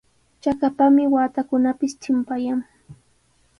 Chakapami waatakunapis chimpayan.